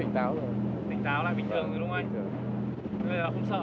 chỉ một lúc sau